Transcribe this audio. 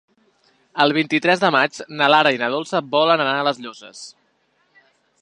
El vint-i-tres de maig na Lara i na Dolça volen anar a les Llosses.